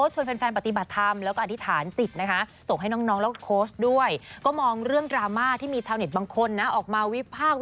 ฉันถามอะไรได้ฉันอาสา